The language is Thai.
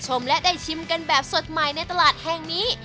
และได้ชิมกันแบบสดใหม่ในตลาดแห่งนี้